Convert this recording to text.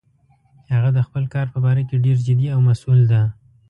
هغه د خپل کار په باره کې ډیر جدي او مسؤل ده